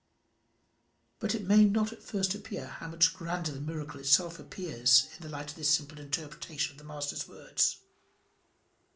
But it may not at first appear how much grander the miracle itself appears in the light of this simple interpretation of the Master's words.